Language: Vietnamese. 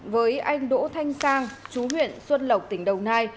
với anh đỗ thanh sang chú huyện xuân lộc tỉnh đồng nai